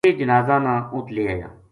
ویہ جنازا نا اُت لے آیا